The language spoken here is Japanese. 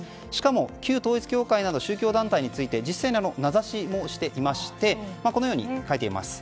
しかも旧統一教会など宗教団体について名指しもしていましてこのように書いています。